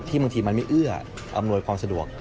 บางทีมันไม่เอื้ออำนวยความสะดวก